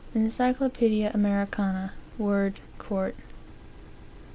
Encyclopedia Americana, word Court.